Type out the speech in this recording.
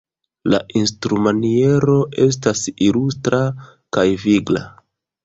La instrumaniero estas ilustra kaj vigla.